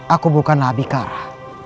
aku bukanlah abikara